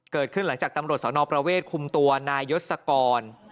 เกิดขึ้นหลังจากตำรวจสนประเวทคุมตัวนายยศกร